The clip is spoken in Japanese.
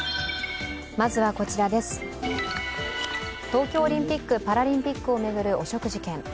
東京オリンピック・パラリンピックを巡る汚職事件。